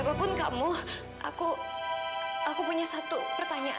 mau ke mana dia